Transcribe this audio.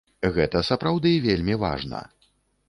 Гэта сапраўды вельмі важна.